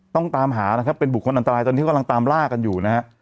ต้องตามหานะครับเป็นบุคคลอันตรายตอนนี้กำลังตามล่ากันอยู่นะฮะ